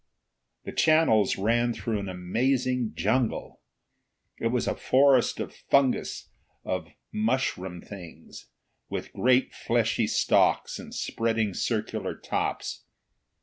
The channels ran through an amazing jungle. It was a forest of fungus, of mushroom things with great fleshy stalks and spreading circular tops.